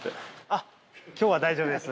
あっ今日は大丈夫です。